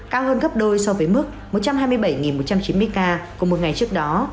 cao hơn gấp đôi so với mức một trăm hai mươi bảy một trăm chín mươi ca của một ngày trước đó